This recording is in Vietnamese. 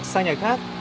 sao nhà khác